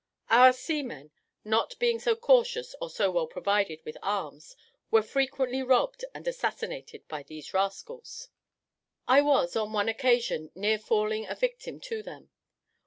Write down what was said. Our seamen, not being so cautious or so well provided with arms, were frequently robbed and assassinated by these rascals. I was, on one occasion, near falling a victim to them.